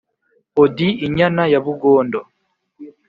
odi inyana ya bu, gondo